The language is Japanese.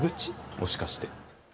もしかして。